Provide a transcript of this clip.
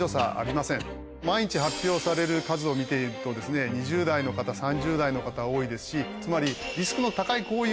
毎日発表される数を見ていると２０代の方３０代の方多いですしつまり。